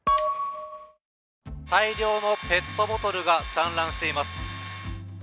大量のペットボトルが散乱しています。